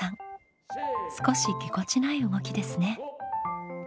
少しぎこちない動きですね。